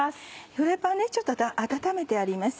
フライパンはちょっと温めてあります。